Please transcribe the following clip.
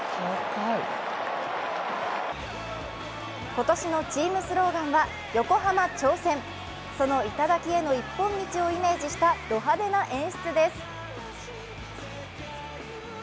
今年のチームスローガンは「横浜頂戦」その頂への一本道をイメージしたド派手な演出です。